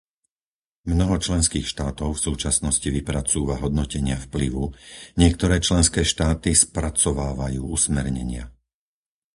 Mnoho členských štátov v súčasnosti vypracúva hodnotenia vplyvu, niektoré členské štáty spracovávajú usmernenia.